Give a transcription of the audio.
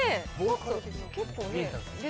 結構ね。